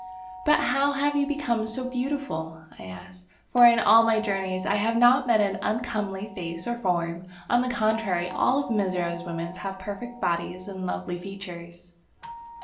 "But how have you become so beautiful?" I asked. "For, in all my journeys, I have not met an uncomely face or form. On the contrary, all the Mizora women have perfect bodies and lovely features."